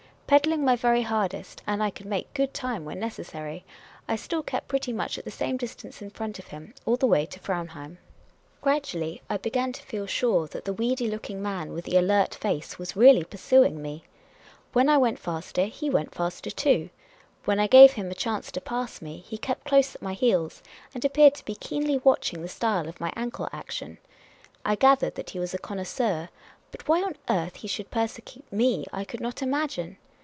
Pedalling my very hardest — and I can make good time when necessary — I still kept pretty much at the same distance in front of him all the way to Fraunheim. 66 Miss Cayley's Adventures Gradually I began to feel sure that the weedj' looking man with the alert face was really pursuing me. When I went faster, he went faster too ; when I gave him a chance to pass me, he kept close at my heels, and appeared to be keenly watching the style of my ankle action. I gathered that he was a connoisseur ; but why on earth he should persecute me I could not imagine.